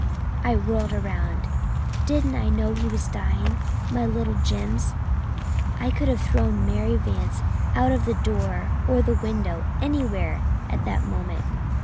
"I whirled around. Didn't I know he was dying my little Jims! I could have thrown Mary Vance out of the door or the window anywhere at that moment.